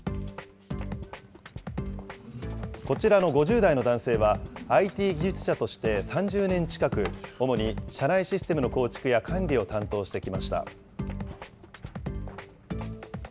こちらの５０代の男性は、ＩＴ技術者として３０年近く、主に社内システムの構築や管理を担当してきました。